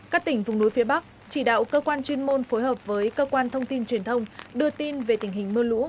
các tỉnh vùng núi phía bắc chỉ đạo cơ quan chuyên môn phối hợp với cơ quan thông tin truyền thông đưa tin về tình hình mưa lũ